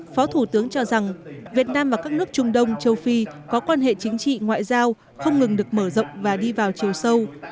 phó thủ tướng cho rằng việt nam và các nước trung đông châu phi có quan hệ chính trị ngoại giao không ngừng được mở rộng và đi vào chiều sâu